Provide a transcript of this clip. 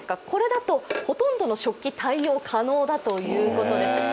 これだとほとんどの食器対応可能だということです。